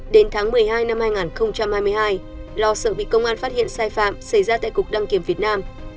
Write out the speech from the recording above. đến tháng một mươi hai năm hai nghìn hai mươi hai lo sợ bị công an phát hiện sai phạm xảy ra tại cục đăng kiểm việt nam